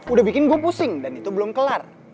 udah bikin gue pusing dan itu belum kelar